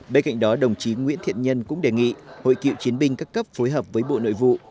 bên cạnh đó đồng chí nguyễn thiện nhân cũng đề nghị hội cựu chiến binh các cấp phối hợp với bộ nội vụ